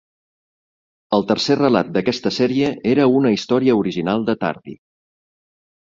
El tercer relat d'aquesta sèrie era una història original de Tardi.